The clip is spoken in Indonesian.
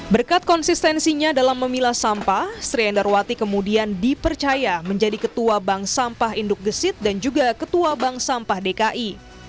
berkat konsistensinya dalam memilah sampah sri endarwati kemudian dipercaya menjadi ketua bank sampah induk gesit dan juga ketua bank sampah dki